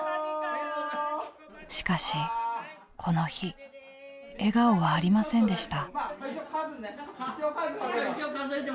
しかしこの日笑顔はありませんでした。